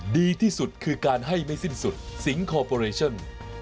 ดีที่สุดคือการให้ไม่สิ้นสุดสิงคอร์ปอเรชั่น